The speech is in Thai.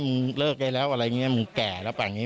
มึงเลิกได้แล้วอะไรอย่างนี้